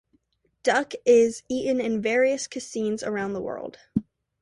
Duck is eaten in various cuisines around the world.